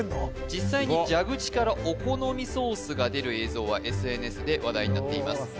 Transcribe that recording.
実際に蛇口からお好みソースが出る映像はＳＮＳで話題になっています